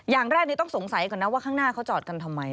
อย่างแรกนี้ต้องสงสัยก่อนนะว่าข้างหน้าเขาจอดกันทำไม